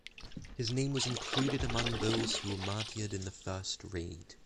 His name was included among those who were martyred in the first raid.